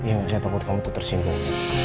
iya saya takut kamu tuh tersimbung